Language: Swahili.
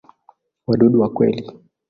Wadudu wa kweli.